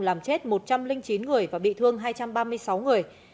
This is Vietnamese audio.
làm chết một trăm linh chín người và bị thương hai trăm ba mươi sáu người